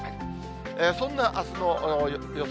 そんなあすの予想